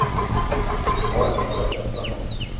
Memogo ane mod a da peuk.